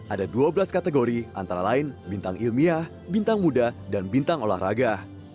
ada dua belas kategori antara lain bintang ilmiah bintang muda dan bintang olahraga